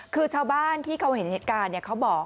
คือชาวบ้านที่เขาเห็นเหตุการณ์เขาบอก